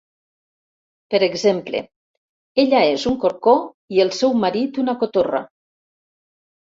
Per exemple: "ella és un corcó i el seu marit una cotorra".